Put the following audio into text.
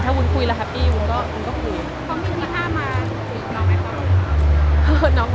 ถ้าอุ้นคุยแล้วฮัปปี้อุ้นก็คุย